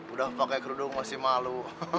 udah pakai kerudung masih malu